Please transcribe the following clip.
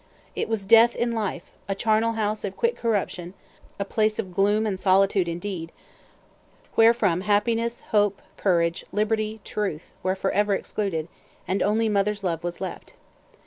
It was death in life, a charnel house of quick corruption; a place of gloom and solitude indeed, wherefrom happiness, hope, courage, liberty, truth, were forever excluded, and only mother's love was left.